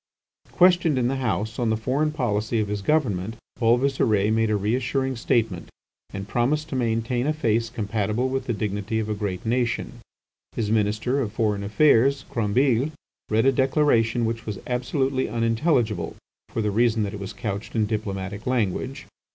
Questioned in the House on the foreign policy of his government, Paul Visire made a re assuring statement, and promised to maintain a face compatible with the dignity of a great nation. His Minister of Foreign Affairs, Crombile, read a declaration which was absolutely unintelligible, for the reason that it was couched in diplomatic language.